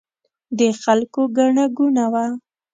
د خلکو ګڼه ګوڼه وه.